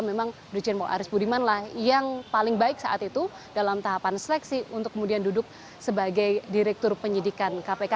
memang brigjen aris budiman lah yang paling baik saat itu dalam tahapan seleksi untuk kemudian duduk sebagai direktur penyidikan kpk